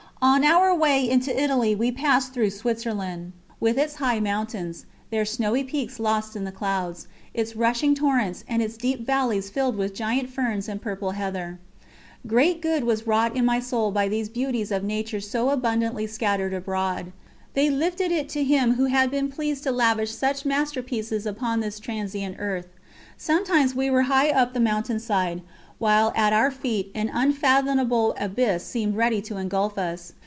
On our way into Italy we passed through Switzerland, with its high mountains, their snowy peaks lost in the clouds, its rushing torrents, and its deep valleys filled with giant ferns and purple heather. Great good was wrought in my soul by these beauties of nature so abundantly scattered abroad. They lifted it to Him Who had been pleased to lavish such masterpieces upon this transient earth. Sometimes we were high up the mountain side, while at our feet an unfathomable abyss seemed ready to engulf us.